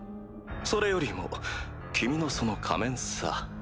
それよりも君のその仮面さ。